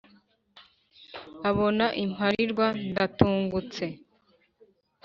abona imparirwa ndatungutse